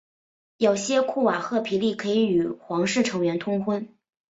有些库瓦赫皮利可以与皇室成员通婚。